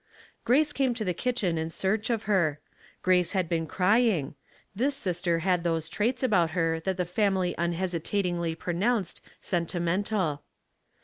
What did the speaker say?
Grace came to the kitchen in search of her. Grace had been crying; this sister had those traits about her that the family unhesita tingly pronounced sentimental.